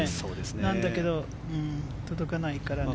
なんだけど、届かないからね。